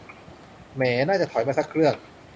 แหม น่าจะถอยมาสักเครื่อง